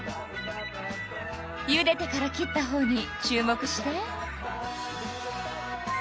ゆでてから切ったほうに注目して。